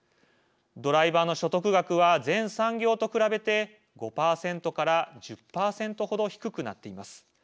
ドライバーの所得額は全産業と比べて５％から１０％ほど低くなっています。